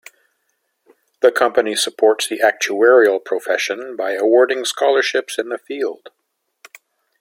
The Company supports the actuarial profession by awarding scholarships in the field.